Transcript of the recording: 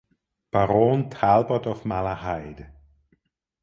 Baron Talbot of Malahide.